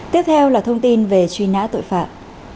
tiếp theo là thông tin về truy nã tội phạm